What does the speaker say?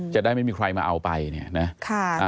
จะได้ไม่มีใครมาเอาไปเนี่ยนะ